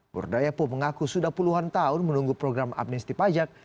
murdaya po mengaku sudah puluhan tahun menunggu program amnesty pajak